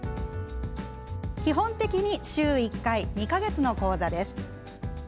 基本的に週１回２か月の講座です。